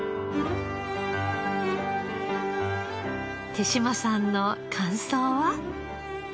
手島さんの感想は？